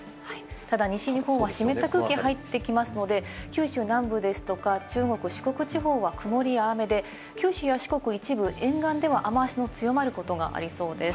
ただ西日本は湿った空気が入ってきますので、九州南部ですとか中国四国地方は曇りや雨で、九州や四国の一部沿岸では雨脚の強まることがありそうです。